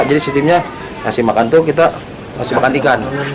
jadi sistemnya kita memberi makan ikan